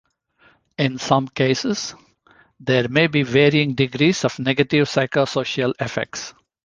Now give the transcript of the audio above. In some cases, there may be varying degrees of negative psychosocial effects.